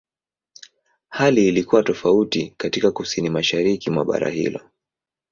Hali ilikuwa tofauti katika Kusini-Mashariki mwa bara hilo.